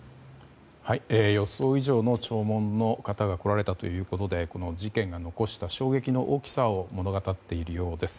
予想以上の弔問の方が来られたということでこの事件が残した衝撃の大きさを物語っているようです。